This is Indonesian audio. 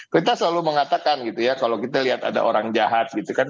kita selalu mengatakan gitu ya kalau kita lihat ada orang jahat gitu kan